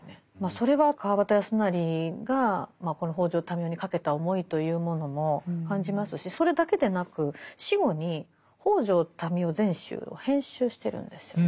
それは川端康成がこの北條民雄にかけた思いというものも感じますしそれだけでなく死後に「北條民雄全集」を編集してるんですよね。